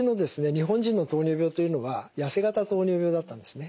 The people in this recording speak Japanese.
日本人の糖尿病というのは痩せ型糖尿病だったんですね。